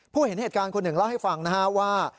ผู้เห็นเหตุการคุณหนึ่งเล่าให้ฟังนะครับว่า